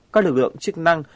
có lực lượng chức năng